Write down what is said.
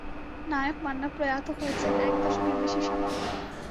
নায়ক মান্না প্রয়াত হয়েছেন এক দশকের বেশি সময়।